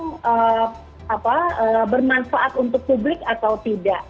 apakah memang bermanfaat untuk publik atau tidak